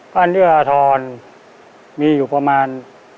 เอื้ออทรมีอยู่ประมาณ